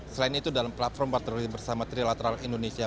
selain itu dalam platform patroli bersama trilateral indonesia